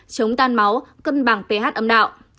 chống tan máu cân bằng ph ấm đạo